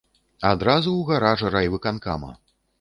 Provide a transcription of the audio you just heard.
Адразу ў гараж райвыканкама.